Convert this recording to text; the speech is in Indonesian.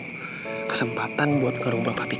kamu malah kasih kesempatan buat mami tiri kamu itu